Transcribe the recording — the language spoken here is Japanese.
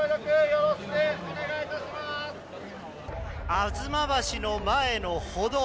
吾妻橋の前の歩道。